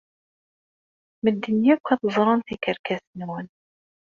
Medden akk ad ẓren tikerkas-nwen.